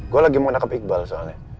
gue lagi mau nakep iqbal soalnya